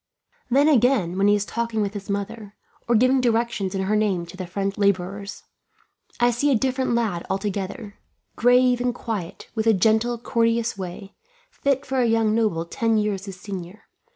Then again, when he is talking with his mother, or giving directions in her name to the French labourers, I see a different lad, altogether: grave and quiet, with a gentle, courteous way, fit for a young noble ten years his senior.